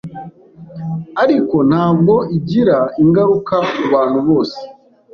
ariko ntabwo igira ingaruka ku bantu bose